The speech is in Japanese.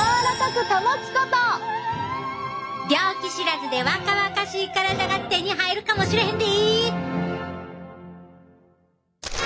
病気知らずで若々しい体が手に入るかもしれへんで！